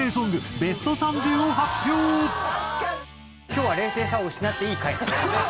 今日は冷静さを失っていい回なんですよね？